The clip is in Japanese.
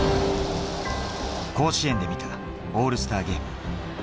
甲子園で見たオールスターゲーム。